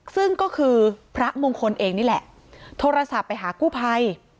ซึ่งก็คือพระมงคลเองนี่แหละโทรศัพท์ไปหากู้ภัย